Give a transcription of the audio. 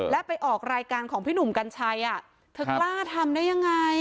และไปออกรายการของพี่หนุ่มกัญชัยเธอกล้าทำได้ยังไง